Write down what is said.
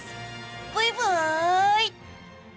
ブイブイ！